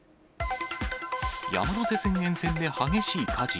山手線沿線で激しい火事。